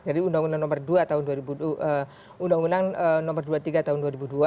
jadi undang undang nomor dua tahun dua ribu dua undang undang nomor dua puluh tiga tahun dua ribu dua